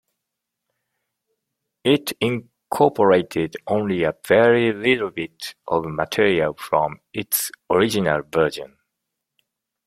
It incorporated only a very little bit of material from its original version.